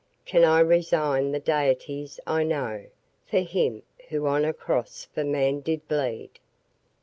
Can I resign the deities I know For him who on a cross for man did bleed?